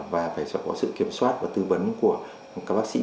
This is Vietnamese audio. và phải có sự kiểm soát và tư vấn của các bác sĩ